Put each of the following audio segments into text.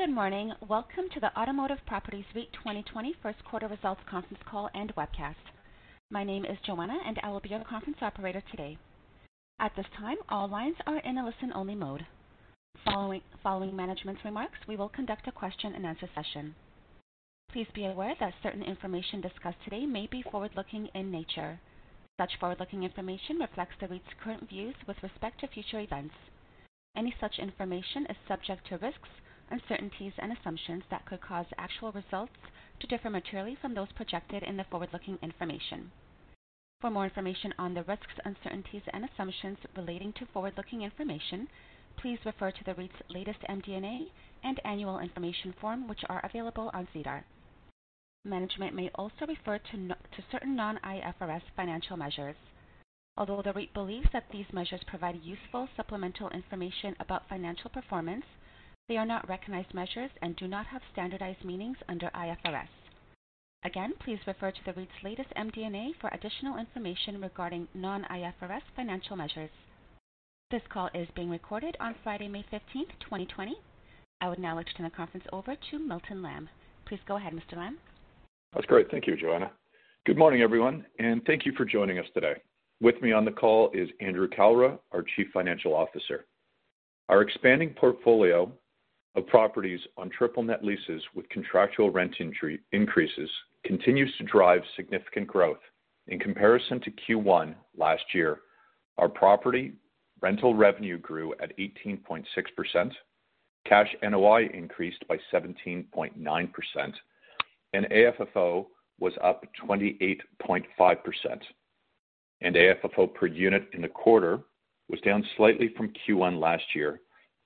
Good morning. Welcome to the Automotive Properties REIT 2020 first quarter results conference call and webcast. My name is Joanna. I will be your conference operator today. At this time, all lines are in a listen-only mode. Following management's remarks, we will conduct a question-and-answer session. Please be aware that certain information discussed today may be forward-looking in nature. Such forward-looking information reflects the REIT's current views with respect to future events. Any such information is subject to risks, uncertainties, and assumptions that could cause actual results to differ materially from those projected in the forward-looking information. For more information on the risks, uncertainties, and assumptions relating to forward-looking information, please refer to the REIT's latest MD&A and annual information form, which are available on SEDAR. Management may also refer to certain non-IFRS financial measures. Although the REIT believes that these measures provide useful supplemental information about financial performance, they are not recognized measures and do not have standardized meanings under IFRS. Again, please refer to the REIT's latest MD&A for additional information regarding non-IFRS financial measures. This call is being recorded on Friday, May 15th, 2020. I would now like to turn the conference over to Milton Lamb. Please go ahead, Mr. Lamb. That's great. Thank you, Joanna. Good morning, everyone, and thank you for joining us today. With me on the call is Andrew Kalra, our Chief Financial Officer. Our expanding portfolio of properties on triple net leases with contractual rent increases continues to drive significant growth. In comparison to Q1 last year, our property rental revenue grew at 18.6%, cash NOI increased by 17.9%, and AFFO was up 28.5%. AFFO per unit in the quarter was down slightly from Q1 last year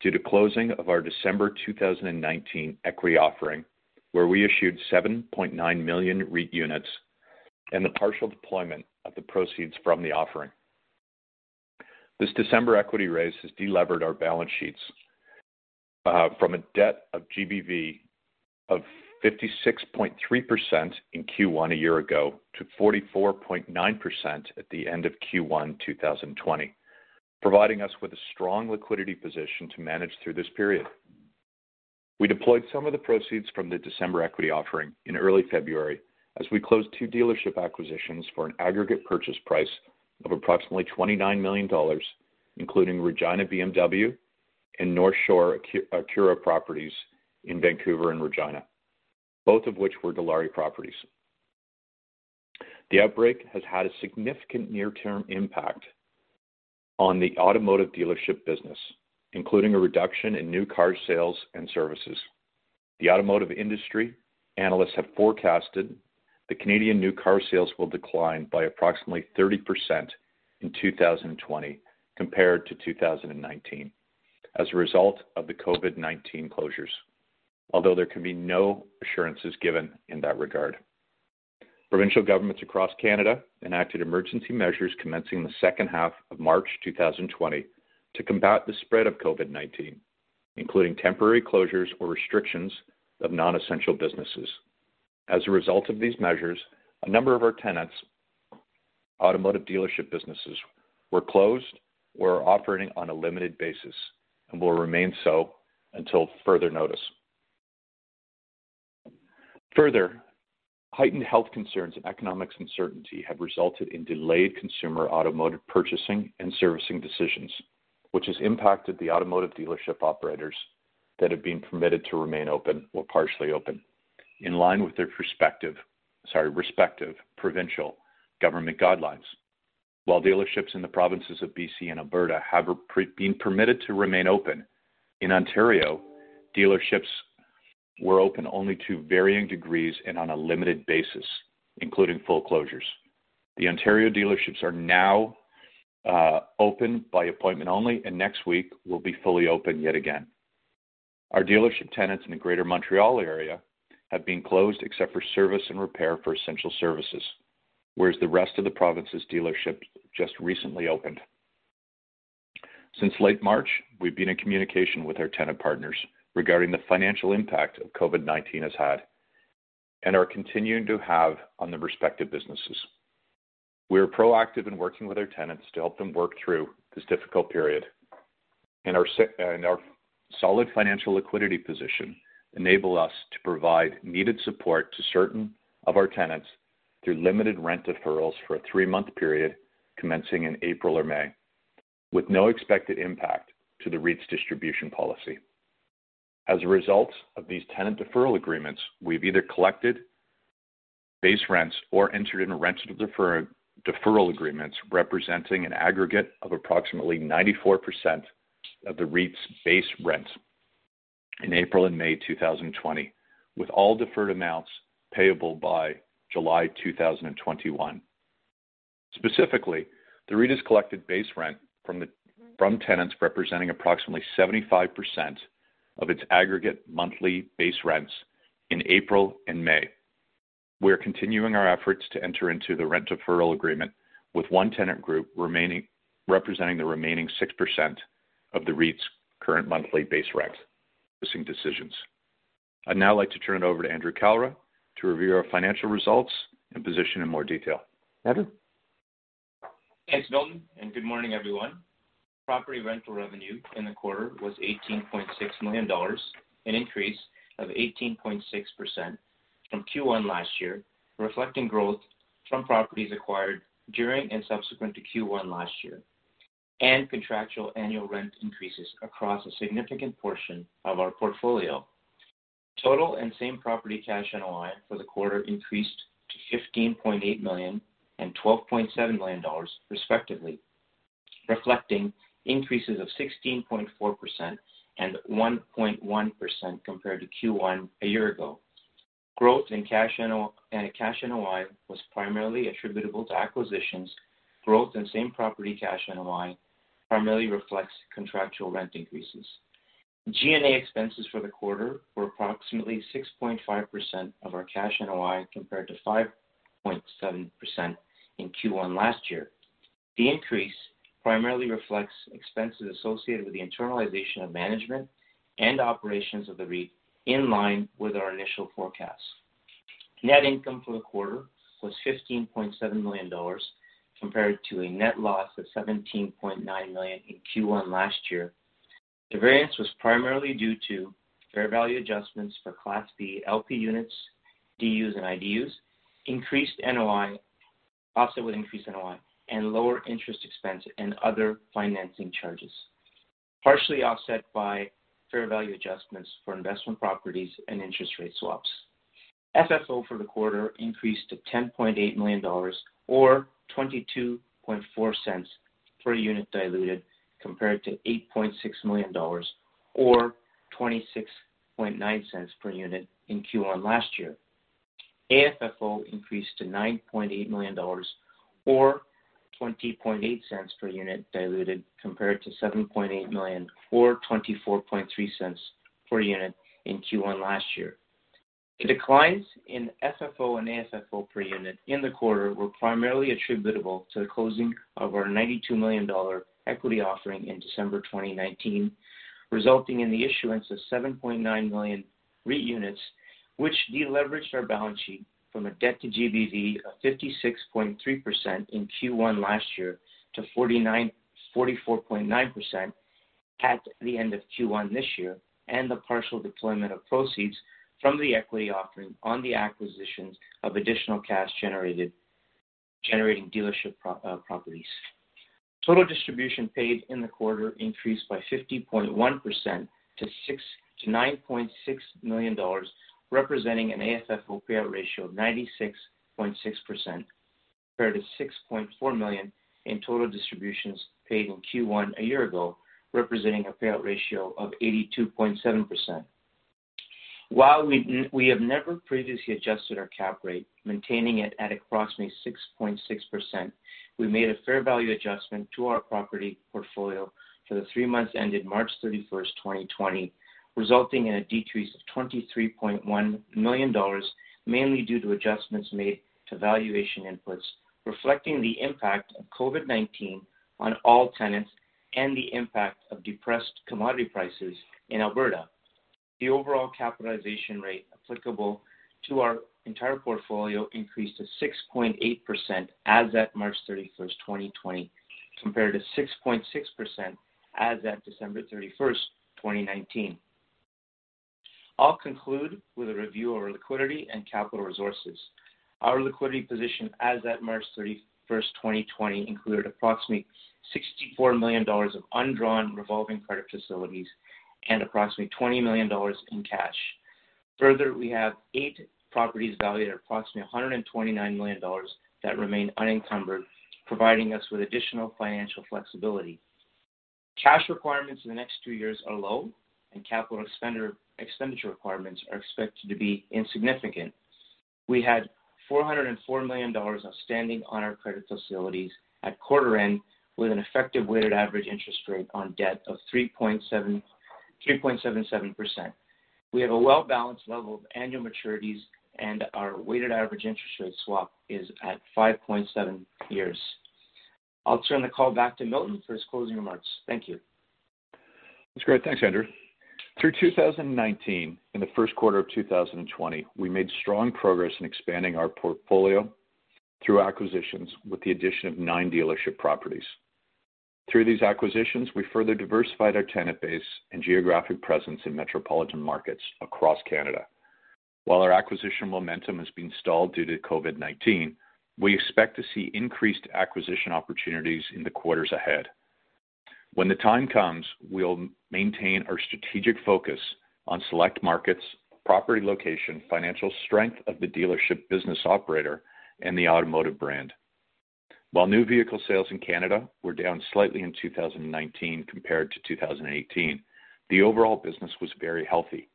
due to closing of our December 2019 equity offering, where we issued 7.9 million REIT units and the partial deployment of the proceeds from the offering. This December equity raise has delevered our balance sheets from a debt to GBV of 56.3% in Q1 a year ago to 44.9% at the end of Q1 2020, providing us with a strong liquidity position to manage through this period. We deployed some of the proceeds from the December equity offering in early February as we closed two dealership acquisitions for an aggregate purchase price of approximately 29 million dollars, including BMW Regina and North Shore Acura properties in Vancouver and Regina, both of which were Dilawri properties. The outbreak has had a significant near-term impact on the automotive dealership business, including a reduction in new car sales and services. The automotive industry analysts have forecasted the Canadian new car sales will decline by approximately 30% in 2020 compared to 2019 as a result of the COVID-19 closures. Although there can be no assurances given in that regard. Provincial governments across Canada enacted emergency measures commencing the second half of March 2020 to combat the spread of COVID-19, including temporary closures or restrictions of non-essential businesses. As a result of these measures, a number of our tenants' automotive dealership businesses were closed or are operating on a limited basis and will remain so until further notice. Further, heightened health concerns and economic uncertainty have resulted in delayed consumer automotive purchasing and servicing decisions, which has impacted the automotive dealership operators that have been permitted to remain open or partially open in line with their respective provincial government guidelines. While dealerships in the provinces of B.C. and Alberta have been permitted to remain open, in Ontario, dealerships were open only to varying degrees and on a limited basis, including full closures. The Ontario dealerships are now open by appointment only and next week will be fully open yet again. Our dealership tenants in the Greater Montreal area have been closed except for service and repair for essential services, whereas the rest of the province's dealerships just recently opened. Since late March, we've been in communication with our tenant partners regarding the financial impact COVID-19 has had and are continuing to have on their respective businesses. We are proactive in working with our tenants to help them work through this difficult period. Our solid financial liquidity position enable us to provide needed support to certain of our tenants through limited rent deferrals for a three-month period commencing in April or May with no expected impact to the REIT's distribution policy. As a result of these tenant deferral agreements, we've either collected base rents or entered into rent deferral agreements representing an aggregate of approximately 94% of the REIT's base rents in April and May 2020, with all deferred amounts payable by July 2021. Specifically, the REIT has collected base rent from tenants representing approximately 75% of its aggregate monthly base rents in April and May. We are continuing our efforts to enter into the rent deferral agreement with one tenant group representing the remaining 6% of the REIT's current monthly base rent [pursuing] decisions. I'd now like to turn it over to Andrew Kalra to review our financial results and position in more detail. Andrew? Thanks, Milton. Good morning, everyone. Property rental revenue in the quarter was 18.6 million dollars, an increase of 18.6% from Q1 last year, reflecting growth from properties acquired during and subsequent to Q1 last year, and contractual annual rent increases across a significant portion of our portfolio. Total and Same Property Cash NOI for the quarter increased to 15.8 million and 12.7 million dollars respectively, reflecting increases of 16.4% and 1.1% compared to Q1 a year ago. Growth in Cash NOI was primarily attributable to acquisitions. Growth in Same Property Cash NOI primarily reflects contractual rent increases. G&A expenses for the quarter were approximately 6.5% of our Cash NOI, compared to 5.7% in Q1 last year. The increase primarily reflects expenses associated with the internalization of management and operations of the REIT in line with our initial forecast. Net income for the quarter was 15.7 million dollars, compared to a net loss of 17.9 million in Q1 last year. The variance was primarily due to fair value adjustments for Class B LP units, DUs and IDUs, increased NOI, offset with increased NOI, and lower interest expense and other financing charges. Partially offset by fair value adjustments for investment properties and interest rate swaps. FFO for the quarter increased to 10.8 million dollars, or 0.224 per unit diluted, compared to 8.6 million dollars, or 0.269 per unit in Q1 last year. AFFO increased to CAD 9.8 million, or 0.208 per unit diluted compared to 7.8 million, or 0.243 per unit in Q1 last year. The declines in FFO and AFFO per unit in the quarter were primarily attributable to the closing of our 92 million dollar equity offering in December 2019, resulting in the issuance of 7.9 million REIT units, which deleveraged our balance sheet from a debt to GBV of 56.3% in Q1 last year to 44.9% at the end of Q1 this year, and the partial deployment of proceeds from the equity offering on the acquisitions of additional cash-generating dealership properties. Total distribution paid in the quarter increased by 50.1% to 9.6 million dollars, representing an AFFO payout ratio of 96.6%, compared to 6.4 million in total distributions paid in Q1 a year ago, representing a payout ratio of 82.7%. While we have never previously adjusted our cap rate, maintaining it at approximately 6.6%, we made a fair value adjustment to our property portfolio for the three months ended March 31st, 2020, resulting in a decrease of 23.1 million dollars, mainly due to adjustments made to valuation inputs, reflecting the impact of COVID-19 on all tenants and the impact of depressed commodity prices in Alberta. The overall capitalization rate applicable to our entire portfolio increased to 6.8% as at March 31st, 2020, compared to 6.6% as at December 31st, 2019. I'll conclude with a review of our liquidity and capital resources. Our liquidity position as at March 31st, 2020 included approximately 64 million dollars of undrawn revolving credit facilities and approximately 20 million dollars in cash. Further, we have eight properties valued at approximately 129 million dollars that remain unencumbered, providing us with additional financial flexibility. Cash requirements in the next two years are low, and capital expenditure requirements are expected to be insignificant. We had 404 million dollars outstanding on our credit facilities at quarter end, with an effective weighted average interest rate on debt of 3.77%. We have a well-balanced level of annual maturities, and our weighted average interest rate swap is at 5.7 years. I'll turn the call back to Milton for his closing remarks. Thank you. That's great. Thanks, Andrew. Through 2019 and the first quarter of 2020, we made strong progress in expanding our portfolio through acquisitions with the addition of nine dealership properties. Through these acquisitions, we further diversified our tenant base and geographic presence in metropolitan markets across Canada. While our acquisition momentum has been stalled due to COVID-19, we expect to see increased acquisition opportunities in the quarters ahead. When the time comes, we'll maintain our strategic focus on select markets, property location, financial strength of the dealership business operator, and the automotive brand. While new vehicle sales in Canada were down slightly in 2019 compared to 2018, the overall business was very healthy.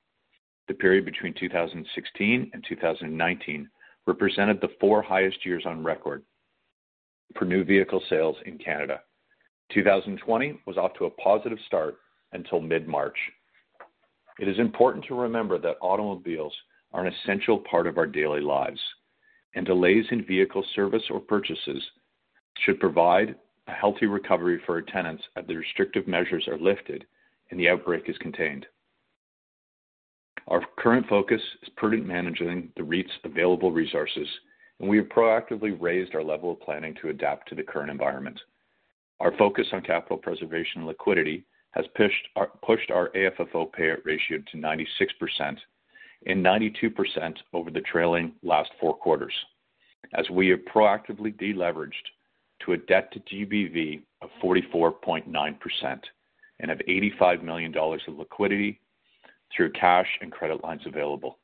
The period between 2016 and 2019 represented the four highest years on record for new vehicle sales in Canada. 2020 was off to a positive start until mid-March. It is important to remember that automobiles are an essential part of our daily lives, and delays in vehicle service or purchases should provide a healthy recovery for our tenants as the restrictive measures are lifted and the outbreak is contained. Current focus is prudent managing the REIT's available resources, and we have proactively raised our level of planning to adapt to the current environment. Our focus on capital preservation liquidity has pushed our AFFO payout ratio to 96% and 92% over the trailing last four quarters. We have proactively de-leveraged to a debt to GBV of 44.9% and have 85 million dollars of liquidity through cash and credit lines available.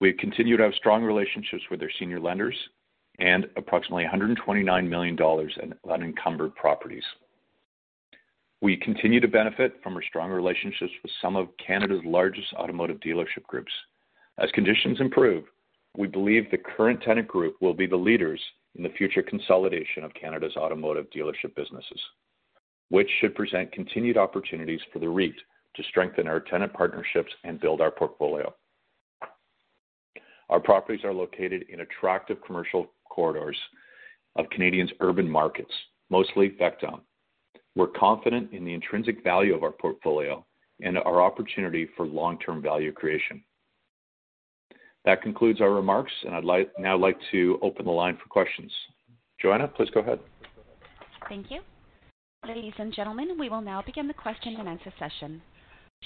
We have continued to have strong relationships with their senior lenders and approximately 129 million dollars in unencumbered properties. We continue to benefit from our strong relationships with some of Canada's largest automotive dealership groups. As conditions improve, we believe the current tenant group will be the leaders in the future consolidation of Canada's automotive dealership businesses, which should present continued opportunities for the REIT to strengthen our tenant partnerships and build our portfolio. Our properties are located in attractive commercial corridors of Canadians' urban markets, mostly downtown. We're confident in the intrinsic value of our portfolio and our opportunity for long-term value creation. That concludes our remarks, and I'd now like to open the line for questions. Joanna, please go ahead. Thank you. Ladies and gentlemen, we will now begin the question and answer session.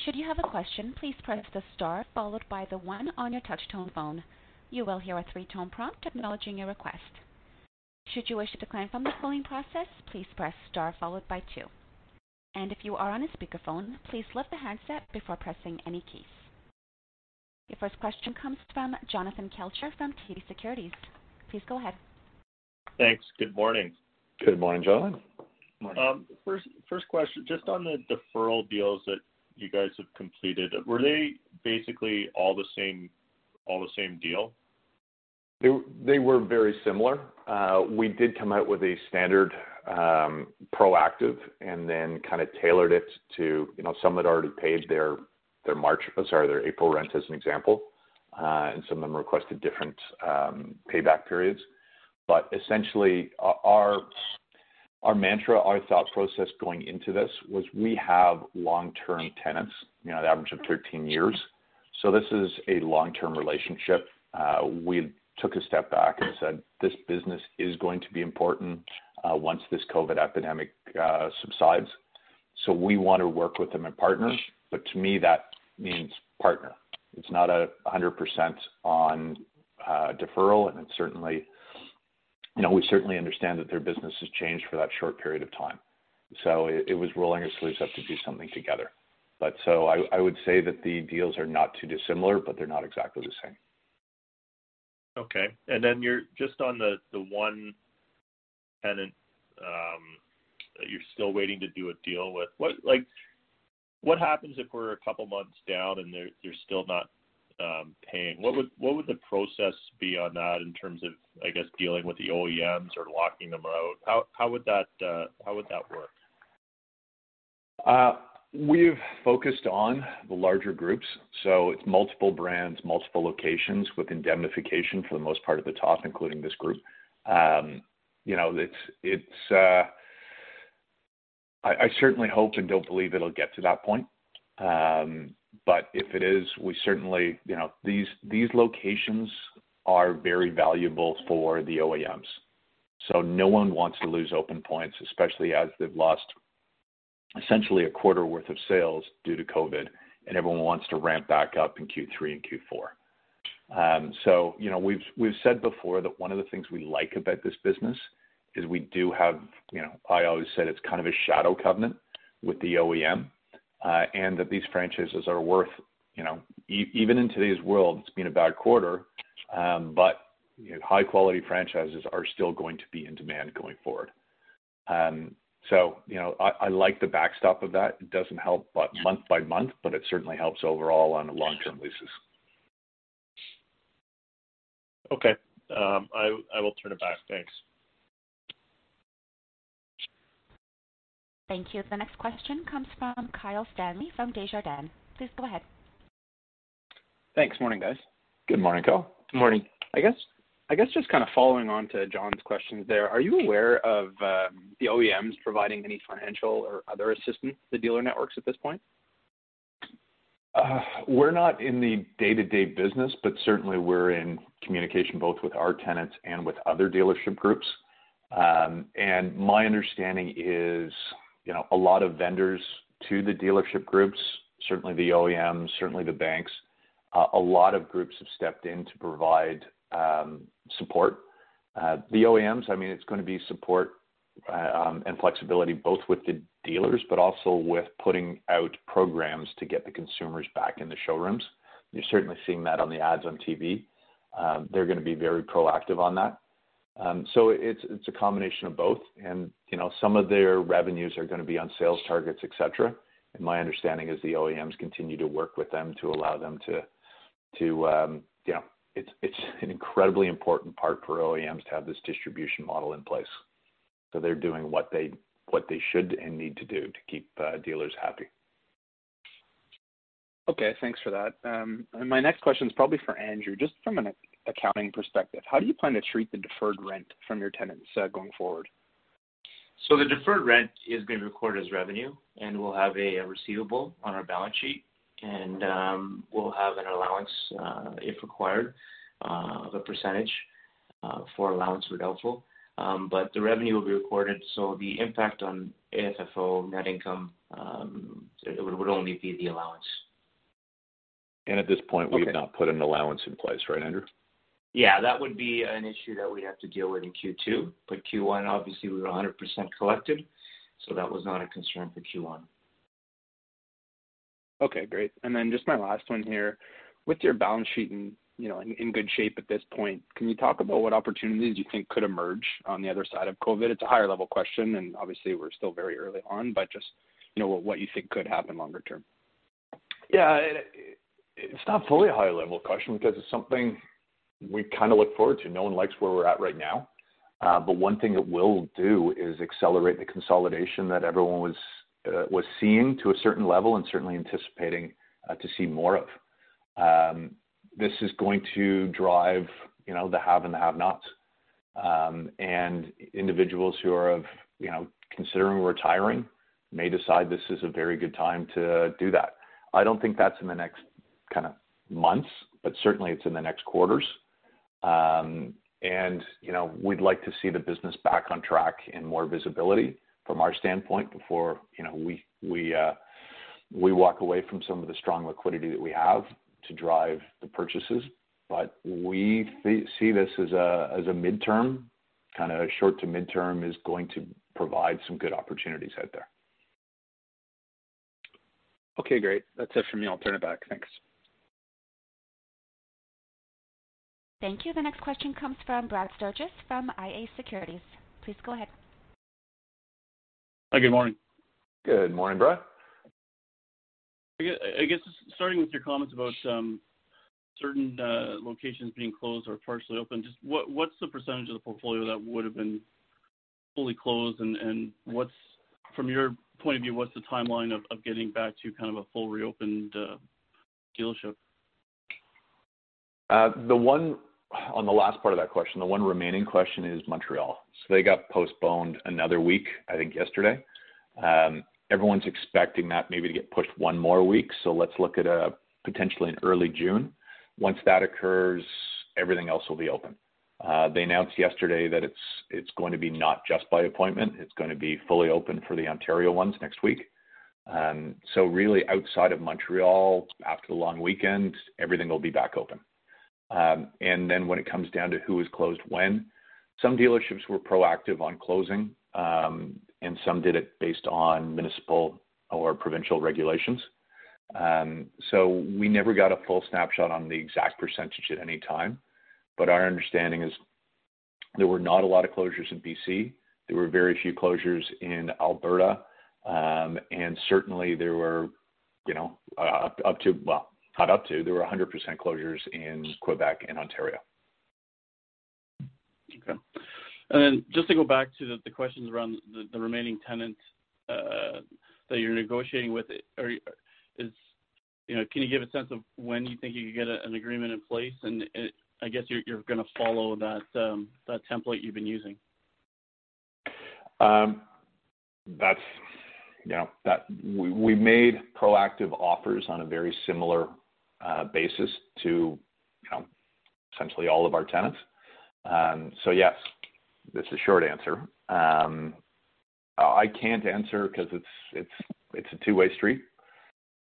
Should you have a question, please press the Star followed by the one on your touch tone phone. You will hear a three-tone prompt acknowledging your request. Should you wish to decline from the polling process, please press Star followed by two. If you are on a speakerphone, please lift the handset before pressing any keys. Your first question comes from Jonathan Kelcher from TD Securities. Please go ahead. Thanks. Good morning. Good morning, Jonathan. Morning. First question, just on the deferral deals that you guys have completed, were they basically all the same deal? They were very similar. We did come out with a standard proactive and then kind of tailored it to some that already paid their April rent as an example. Some of them requested different payback periods. Essentially, our mantra, our thought process going into this was we have long-term tenants, the average of 13 years. This is a long-term relationship. We took a step back and said, "This business is going to be important once this COVID epidemic subsides. We want to work with them in partners." To me, that means partner. It's not 100% on deferral, and we certainly understand that their business has changed for that short period of time. It was rolling our sleeves up to do something together. I would say that the deals are not too dissimilar, but they're not exactly the same. Okay. Then just on the one tenant you're still waiting to do a deal with. What happens if we're a couple of months down and they're still not paying? What would the process be on that in terms of, I guess, dealing with the OEMs or locking them out? How would that work? We've focused on the larger groups. It's multiple brands, multiple locations with indemnification for the most part at the top, including this group. I certainly hope and don't believe it'll get to that point. If it is, these locations are very valuable for the OEMs. No one wants to lose open points, especially as they've lost essentially a quarter worth of sales due to COVID, and everyone wants to ramp back up in Q3 and Q4. We've said before that one of the things we like about this business is we do have, I always said it's kind of a shadow covenant with the OEM. That these franchises are worth, even in today's world, it's been a bad quarter. High-quality franchises are still going to be in demand going forward. I like the backstop of that. It doesn't help but month by month, but it certainly helps overall on long-term leases. Okay. I will turn it back. Thanks. Thank you. The next question comes from Kyle Stanley from Desjardins. Please go ahead. Thanks. Morning, guys. Good morning, Kyle. Morning. I guess just kind of following on to John's questions there. Are you aware of the OEMs providing any financial or other assistance to dealer networks at this point? We're not in the day-to-day business, but certainly we're in communication both with our tenants and with other dealership groups. My understanding is a lot of vendors to the dealership groups, certainly the OEMs, certainly the banks, a lot of groups have stepped in to provide support. The OEMs, it's going to be support and flexibility both with the dealers, but also with putting out programs to get the consumers back in the showrooms. You're certainly seeing that on the ads on TV. They're going to be very proactive on that. It's a combination of both. Some of their revenues are going to be on sales targets, et cetera. My understanding is the OEMs continue to work with them. It's an incredibly important part for OEMs to have this distribution model in place. They're doing what they should and need to do to keep dealers happy. Okay, thanks for that. My next question is probably for Andrew. Just from an accounting perspective, how do you plan to treat the deferred rent from your tenants going forward? The deferred rent is being recorded as revenue, and we'll have a receivable on our balance sheet, and we'll have an allowance, if required, of a percentage for allowance for doubtful. The revenue will be recorded, so the impact on AFFO net income, it would only be the allowance. And at this point- Okay we've not put an allowance in place, right, Andrew? Yeah. That would be an issue that we'd have to deal with in Q2. Q1, obviously, we were 100% collected, so that was not a concern for Q1. Okay, great. Just my last one here. With your balance sheet in good shape at this point, can you talk about what opportunities you think could emerge on the other side of COVID? It's a higher level question, and obviously, we're still very early on, but just what you think could happen longer term. Yeah. It's not fully a high-level question because it's something we kind of look forward to. No one likes where we're at right now. One thing it will do is accelerate the consolidation that everyone was seeing to a certain level and certainly anticipating to see more of. This is going to drive the have and the have-nots. Individuals who are considering retiring may decide this is a very good time to do that. I don't think that's in the next kind of months, but certainly it's in the next quarters. We'd like to see the business back on track and more visibility from our standpoint before we walk away from some of the strong liquidity that we have to drive the purchases. We see this as a midterm, kind of short to midterm is going to provide some good opportunities out there. Okay, great. That's it for me. I'll turn it back. Thanks. Thank you. The next question comes from Brad Sturges from iA Securities. Please go ahead. Good morning. Good morning, Brad. I guess just starting with your comments about certain locations being closed or partially open, just what's the percentage of the portfolio that would've been fully closed and from your point of view, what's the timeline of getting back to kind of a full reopened dealership? On the last part of that question, the one remaining question is Montreal. They got postponed another week, I think yesterday. Everyone's expecting that maybe to get pushed one more week. Let's look at potentially in early June. Once that occurs, everything else will be open. They announced yesterday that it's going to be not just by appointment, it's going to be fully open for the Ontario ones next week. Really outside of Montreal, after the long weekend, everything will be back open. When it comes down to who is closed when, some dealerships were proactive on closing, and some did it based on municipal or provincial regulations. We never got a full snapshot on the exact percentage at any time. Our understanding is there were not a lot of closures in B.C. There were very few closures in Alberta. Well, not up to, there were 100% closures in Quebec and Ontario. Okay. Then just to go back to the questions around the remaining tenants that you're negotiating with, can you give a sense of when you think you could get an agreement in place? I guess you're going to follow that template you've been using. We made proactive offers on a very similar basis to essentially all of our tenants. Yes, that's the short answer. I can't answer because it's a two-way street.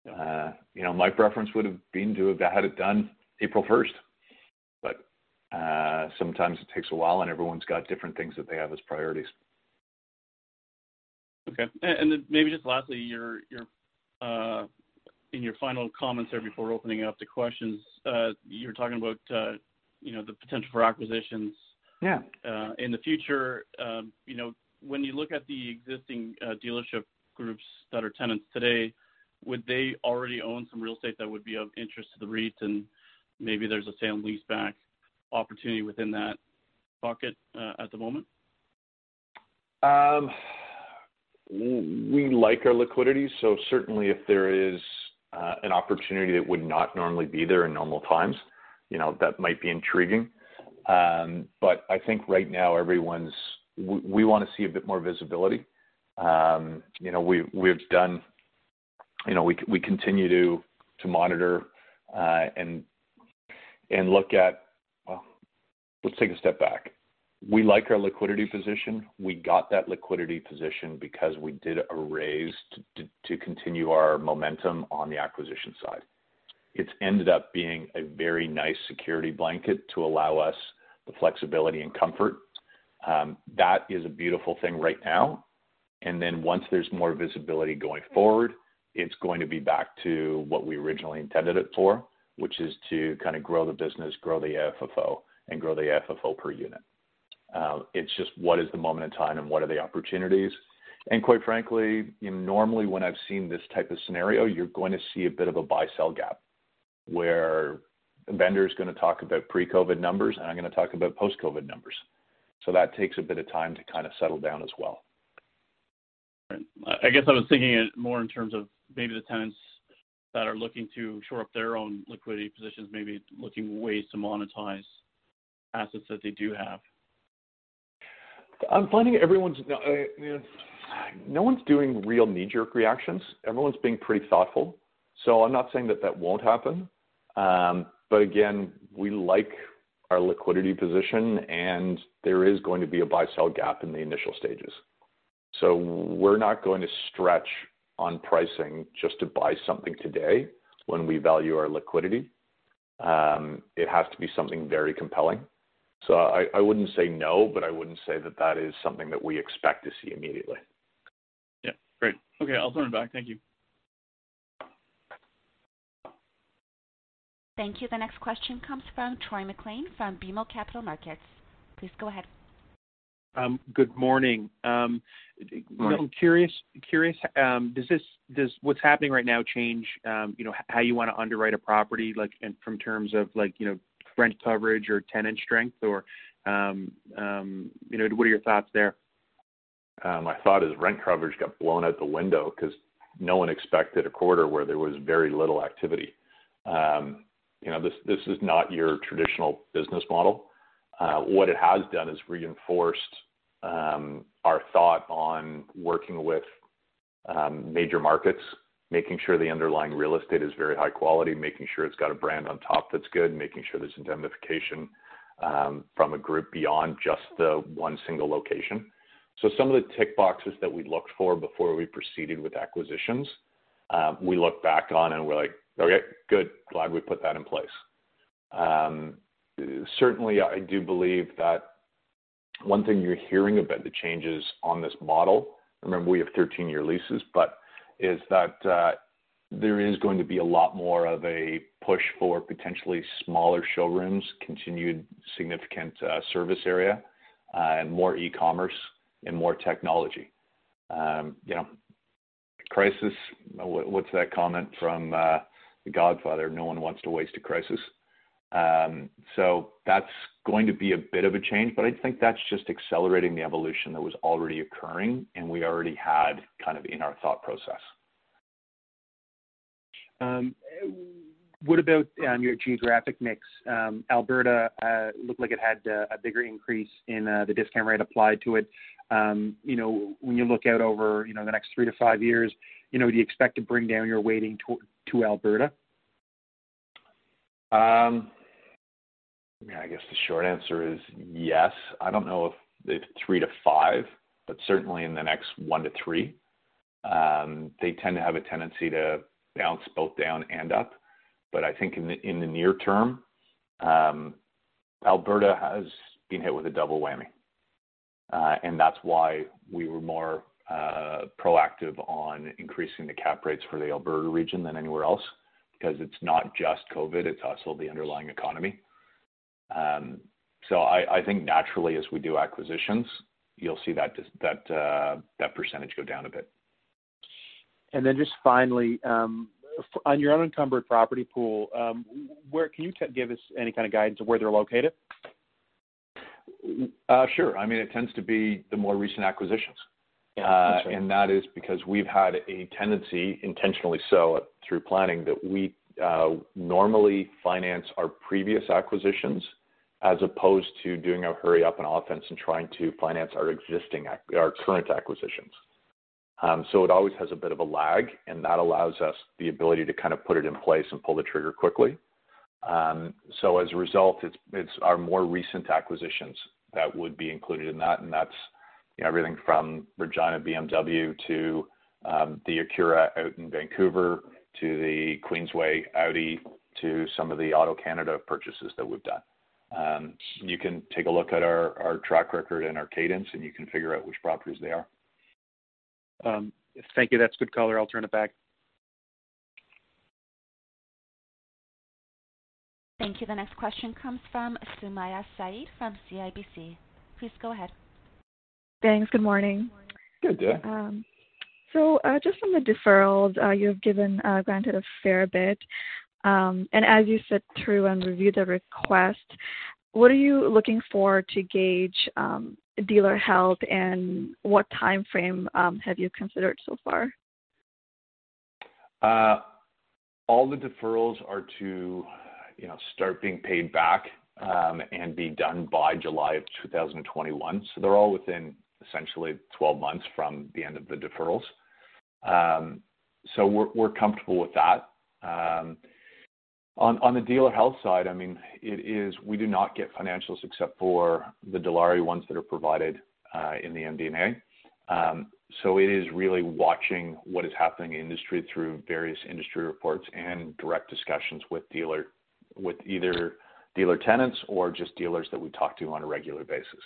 My preference would've been to have had it done April 1st, but sometimes it takes a while, and everyone's got different things that they have as priorities. Okay. Maybe just lastly, in your final comments there before opening it up to questions, you were talking about the potential for acquisitions. Yeah in the future. When you look at the existing dealership groups that are tenants today, would they already own some real estate that would be of interest to the REITs and maybe there's a sale and leaseback opportunity within that bucket at the moment? We like our liquidity. Certainly if there is an opportunity that would not normally be there in normal times, that might be intriguing. I think right now we want to see a bit more visibility. We continue to monitor and look at. Let's take a step back. We like our liquidity position. We got that liquidity position because we did a raise to continue our momentum on the acquisition side. It's ended up being a very nice security blanket to allow us the flexibility and comfort. That is a beautiful thing right now. Once there's more visibility going forward, it's going to be back to what we originally intended it for, which is to kind of grow the business, grow the AFFO, and grow the AFFO per unit. It's just what is the moment in time and what are the opportunities? Quite frankly, normally when I've seen this type of scenario, you're going to see a bit of a buy-sell gap where vendor's going to talk about pre-COVID numbers, and I'm going to talk about post-COVID numbers. That takes a bit of time to kind of settle down as well. Right. I guess I was thinking it more in terms of maybe the tenants that are looking to shore up their own liquidity positions, maybe looking at ways to monetize assets that they do have. I'm finding no one's doing real knee-jerk reactions. Everyone's being pretty thoughtful. I'm not saying that that won't happen. Again, we like our liquidity position, and there is going to be a buy-sell gap in the initial stages. We're not going to stretch on pricing just to buy something today when we value our liquidity. It has to be something very compelling. I wouldn't say no, but I wouldn't say that that is something that we expect to see immediately. Yeah. Great. Okay, I'll turn it back. Thank you. Thank you. The next question comes from Troy MacLean from BMO Capital Markets. Please go ahead. Good morning. Morning. I'm curious, does what's happening right now change how you want to underwrite a property from terms of rent coverage or tenant strength or what are your thoughts there? My thought is rent coverage got blown out the window because no one expected a quarter where there was very little activity. This is not your traditional business model. What it has done is reinforced our thought on working with major markets, making sure the underlying real estate is very high quality, making sure it's got a brand on top that's good, and making sure there's indemnification from a group beyond just the one single location. Some of the tick boxes that we looked for before we proceeded with acquisitions we look back on and we're like, "Okay, good. Glad we put that in place. Certainly, I do believe that one thing you're hearing about the changes on this model, remember, we have 13-year leases, is that there is going to be a lot more of a push for potentially smaller showrooms, continued significant service area, and more e-commerce and more technology. Crisis, what's that comment from The Godfather? No one wants to waste a crisis. That's going to be a bit of a change, but I think that's just accelerating the evolution that was already occurring and we already had kind of in our thought process. What about on your geographic mix? Alberta looked like it had a bigger increase in the discount rate applied to it. When you look out over the next three to five years, do you expect to bring down your weighting to Alberta? I guess the short answer is yes. I don't know if three to five, but certainly in the next one to three. They tend to have a tendency to bounce both down and up. I think in the near term, Alberta has been hit with a double whammy. That's why we were more proactive on increasing the cap rates for the Alberta region than anywhere else, because it's not just COVID, it's also the underlying economy. I think naturally as we do acquisitions, you'll see that percentage go down a bit. Just finally, on your unencumbered property pool, can you give us any kind of guidance of where they're located? Sure. It tends to be the more recent acquisitions. Yeah. I'm sure. That is because we've had a tendency, intentionally so through planning, that we normally finance our previous acquisitions as opposed to doing a hurry-up in offense and trying to finance our current acquisitions. It always has a bit of a lag, and that allows us the ability to put it in place and pull the trigger quickly. As a result, it's our more recent acquisitions that would be included in that, and that's everything from BMW Regina to the Acura out in Vancouver to the Audi Queensway, to some of the AutoCanada purchases that we've done. You can take a look at our track record and our cadence, and you can figure out which properties they are. Thank you. That's good color. I'll turn it back. Thank you. The next question comes from Sumaiya Saeed from CIBC. Please go ahead. Thanks. Good morning. Good day. Just on the deferrals, you have granted a fair bit. As you sit through and review the request, what are you looking for to gauge dealer health, and what timeframe have you considered so far? All the deferrals are to start being paid back and be done by July of 2021. They're all within essentially 12 months from the end of the deferrals. We're comfortable with that. On the dealer health side, we do not get financials except for the Dilawri ones that are provided in the MD&A. It is really watching what is happening in industry through various industry reports and direct discussions with either dealer tenants or just dealers that we talk to on a regular basis.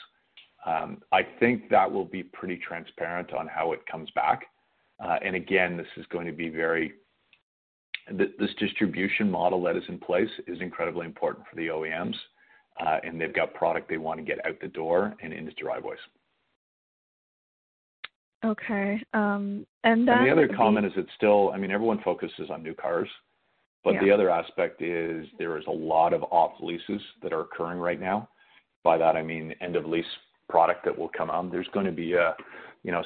I think that will be pretty transparent on how it comes back. Again, this distribution model that is in place is incredibly important for the OEMs. They've got product they want to get out the door and into driveways. Okay. The other comment is it's still Everyone focuses on new cars. The other aspect is there is a lot of off-leases that are occurring right now. By that I mean end-of-lease product that will come on. There's going to be a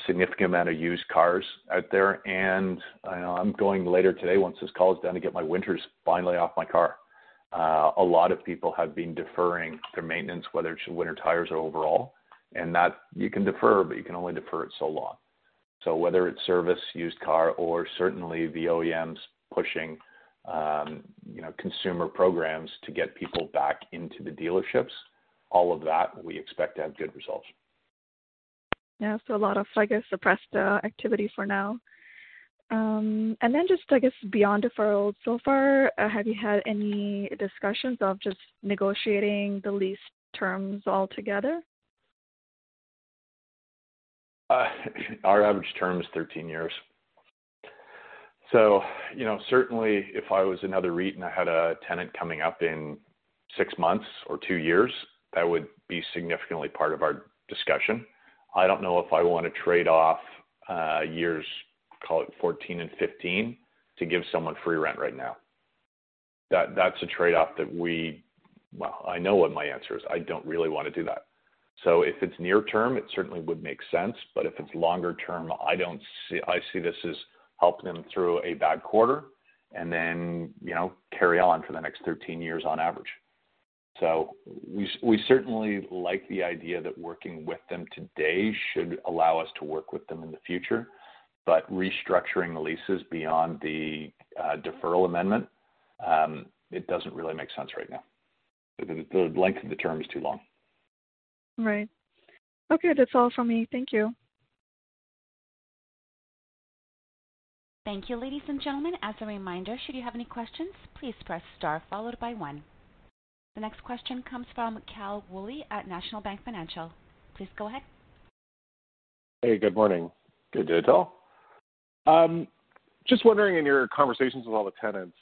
significant amount of used cars out there, and I'm going later today once this call is done to get my winters finally off my car. A lot of people have been deferring their maintenance, whether it's winter tires or overall, and that you can defer, but you can only defer it so long. Whether it's service, used car or certainly the OEMs pushing consumer programs to get people back into the dealerships, all of that we expect to have good results. Yeah. A lot of, I guess, suppressed activity for now. Just, I guess, beyond deferrals so far, have you had any discussions of just negotiating the lease terms altogether? Our average term is 13 years. Certainly if I was another REIT and I had a tenant coming up in six months or two years, that would be significantly part of our discussion. I don't know if I want to trade off years, call it 14 and 15, to give someone free rent right now. That's a trade-off that Well, I know what my answer is. I don't really want to do that. If it's near-term, it certainly would make sense. If it's longer-term, I see this as help them through a bad quarter and then carry on for the next 13 years on average. We certainly like the idea that working with them today should allow us to work with them in the future. Restructuring the leases beyond the deferral amendment, it doesn't really make sense right now. The length of the term is too long. Right. Okay, that's all from me. Thank you. Thank you. Ladies and gentlemen, as a reminder, should you have any questions, please press star followed by one. The next question comes from Tal Woolley at National Bank Financial. Please go ahead. Hey, good morning. Good day to all. Just wondering, in your conversations with all the tenants,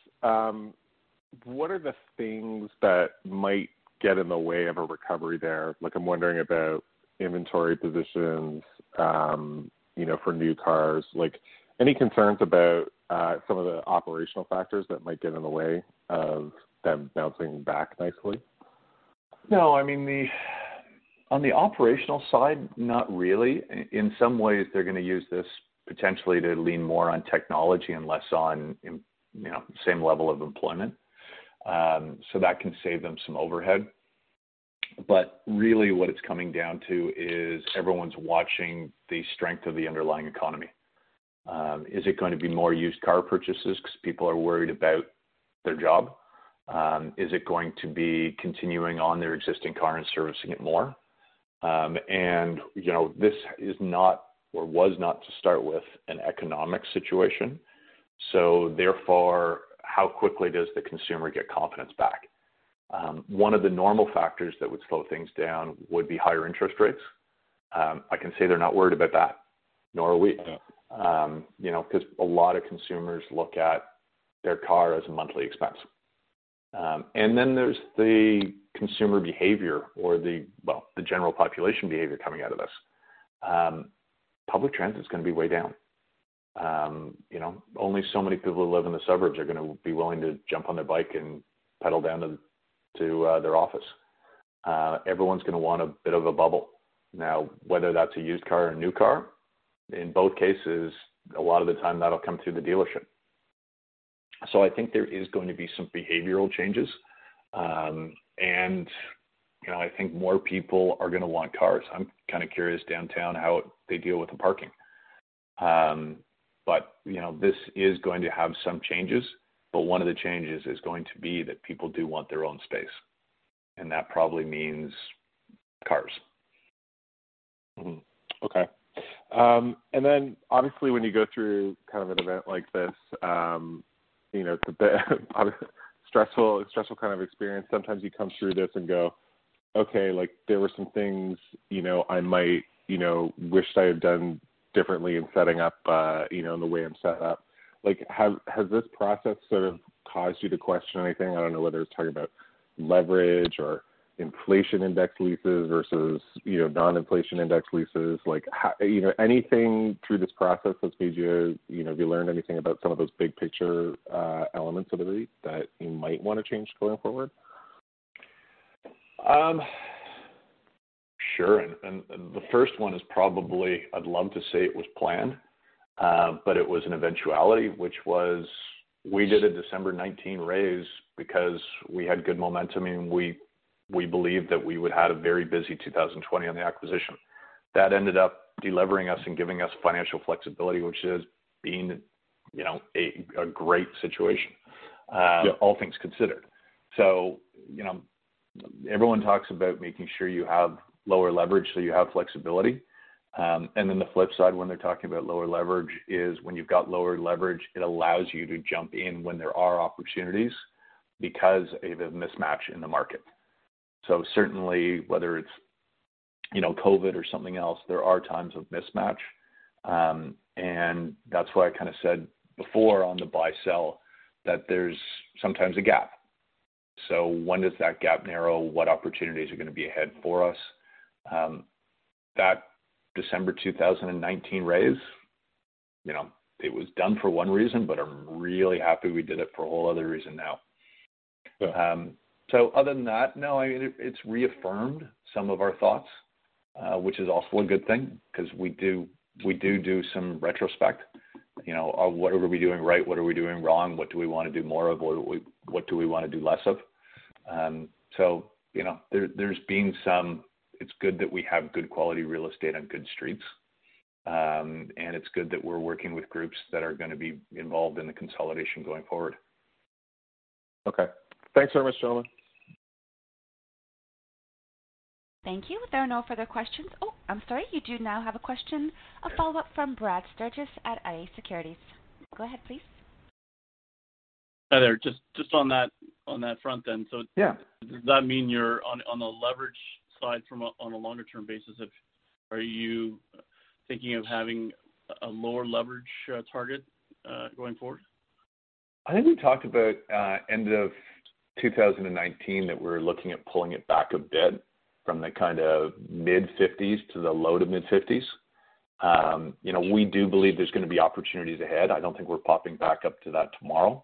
what are the things that might get in the way of a recovery there? Like, I'm wondering about inventory positions for new cars. Any concerns about some of the operational factors that might get in the way of them bouncing back nicely? No, on the operational side, not really. In some ways, they're going to use this potentially to lean more on technology and less on same level of employment. That can save them some overhead. Really what it's coming down to is everyone's watching the strength of the underlying economy. Is it going to be more used car purchases because people are worried about their job? Is it going to be continuing on their existing car and servicing it more? This is not or was not to start with an economic situation. Therefore, how quickly does the consumer get confidence back? One of the normal factors that would slow things down would be higher interest rates. I can say they're not worried about that, nor are we, because a lot of consumers look at their car as a monthly expense. Then there's the consumer behavior or the, well, the general population behavior coming out of this. Public transit is going to be way down. Only so many people who live in the suburbs are going to be willing to jump on their bike and pedal down to their office. Everyone's going to want a bit of a bubble. Now, whether that's a used car or a new car, in both cases, a lot of the time that'll come through the dealership. I think there is going to be some behavioral changes. I think more people are going to want cars. I'm kind of curious downtown how they deal with the parking. This is going to have some changes, but one of the changes is going to be that people do want their own space, and that probably means cars. Okay. Obviously when you go through kind of an event like this, stressful kind of experience, sometimes you come through this and go, "Okay, there were some things I might wish I had done differently in setting up the way I'm set up." Has this process sort of caused you to question anything? I don't know whether it's talking about leverage or inflation index leases versus non-inflation index leases. Have you learned anything about some of those big picture elements of the REIT that you might want to change going forward? Sure. The first one is probably, I'd love to say it was planned, but it was an eventuality, which was we did a December 19 raise because we had good momentum, and we believed that we would have a very busy 2020 on the acquisition. That ended up delevering us and giving us financial flexibility, which has been a great situation. Yeah all things considered. Everyone talks about making sure you have lower leverage so you have flexibility. The flip side when they're talking about lower leverage is when you've got lower leverage, it allows you to jump in when there are opportunities because of a mismatch in the market. Certainly whether it's COVID or something else, there are times of mismatch. That's why I kind of said before on the buy-sell that there's sometimes a gap. When does that gap narrow? What opportunities are going to be ahead for us? That December 2019 raise, it was done for one reason, but I'm really happy we did it for a whole other reason now. Yeah. Other than that, no, it's reaffirmed some of our thoughts, which is also a good thing because we do some retrospect. What are we doing right? What are we doing wrong? What do we want to do more of? What do we want to do less of? It's good that we have good quality real estate on good streets. It's good that we're working with groups that are going to be involved in the consolidation going forward. Okay. Thanks very much, gentlemen. Thank you. There are no further questions. Oh, I'm sorry. You do now have a question. A follow-up from Brad Sturges at iA Securities. Go ahead, please. Hi there. Just on that front then. Yeah. Does that mean you're on the leverage side on a longer term basis? Are you thinking of having a lower leverage target going forward? I think we talked about end of 2019, that we were looking at pulling it back a bit from the mid-50s to the low to mid-50s. We do believe there's going to be opportunities ahead. I don't think we're popping back up to that tomorrow.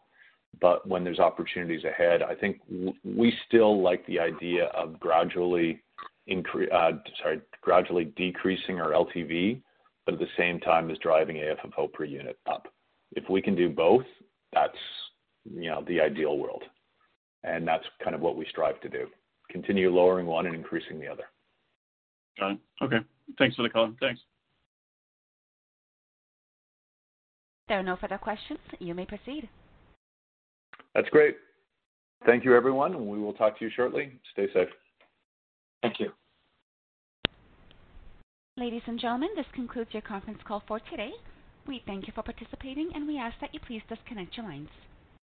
But when there's opportunities ahead, I think we still like the idea of gradually decreasing our LTV, but at the same time as driving AFFO per unit up. If we can do both, that's the ideal world, and that's what we strive to do, continue lowering one and increasing the other. Got it. Okay. Thanks for the call. Thanks. There are no further questions. You may proceed. That's great. Thank you, everyone, and we will talk to you shortly. Stay safe. Thank you. Ladies and gentlemen, this concludes your conference call for today. We thank you for participating, and we ask that you please disconnect your lines.